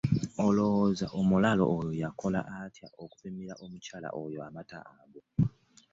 Olowooza omulaalo oyo yakola atya okupimira omukyala oyo amata ago.